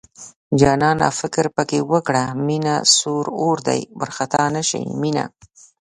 جانانه فکر پکې وکړه مينه سور اور دی وارخطا نشې مينه